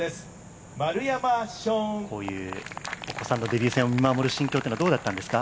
こういうお子さんのデビュー戦を見守る心境っていうのはどうだったんですか？